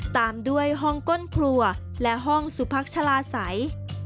ตามด้วยห้องก้นครัวและห้องสุพักชาลาศัย